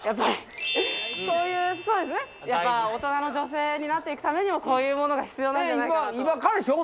やっぱ大人の女性になっていくためにもこういうものが必要なんじゃないかなと。